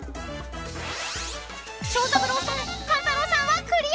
［長三郎さん勘太郎さんはクリア］